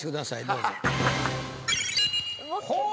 どうぞ。